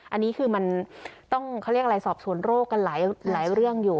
อันนี้คือมันต้องสอบสวนโรคกันหลายเรื่องอยู่